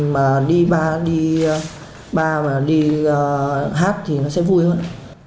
mà đi ba đi ba và đi hát thì nó sẽ vui hơn